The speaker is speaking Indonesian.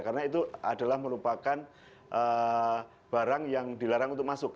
karena itu adalah merupakan barang yang dilarang untuk masuk